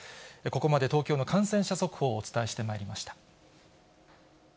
ここまで東京の感染者速報をお伝えしてまいりました。